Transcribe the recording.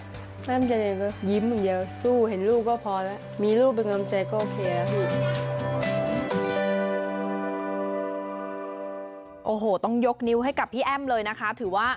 แอ้มเจนก็ยิ้มเยอะสู้เห็นลูกก็พอแล้ว